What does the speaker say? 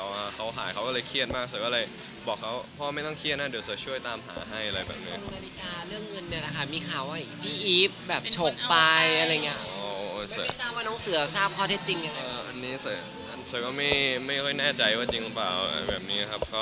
ว่าของหายไป